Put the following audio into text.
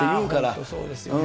本当そうですよね。